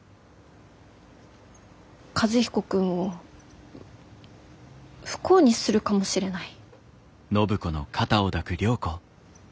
和彦君を不幸にするかもしれない。